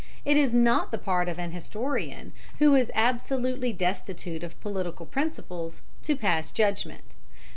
It is not the part of an historian, who is absolutely destitute of political principles, to pass judgment.